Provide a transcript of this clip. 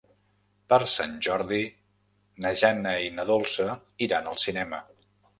Per Sant Jordi na Jana i na Dolça iran al cinema.